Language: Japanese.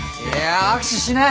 握手しない。